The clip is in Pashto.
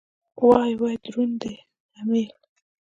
وای وای دروند دی امېل.